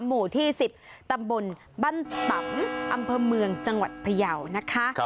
หมู่ที่๑๐ตำบลบ้านตำอำเภอเมืองจังหวัดพยาวนะคะ